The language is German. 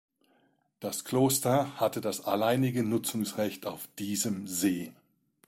Das Kloster hatte das alleinige Nutzungsrecht auf diesem See.